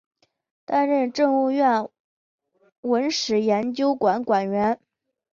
担任政务院文史研究馆馆员。